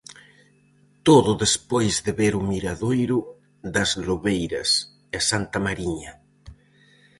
Todo despois de ver o miradoiro das lobeiras e Santa Mariña.